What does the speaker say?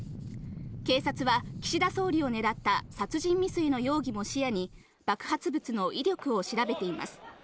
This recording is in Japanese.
警察は、岸田総理を狙った殺人未遂の容疑も視野に、爆発物の威力を調べています。